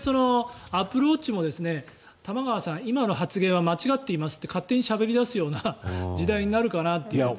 アップルウォッチも玉川さん、今の発言は間違っていますって勝手にしゃべり出すような時代になるかなと。